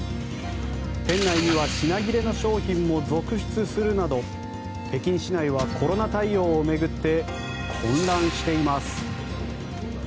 店内には品切れの商品も続出するなど北京市内はコロナ対応を巡って混乱しています。